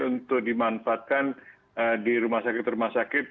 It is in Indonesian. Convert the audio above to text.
untuk dimanfaatkan di rumah sakit rumah sakit